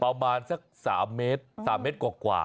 ประมาณสัก๓เมตร๓เมตรกว่า